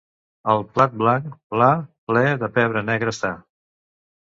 Un plat blanc, pla, ple de pebre negre està.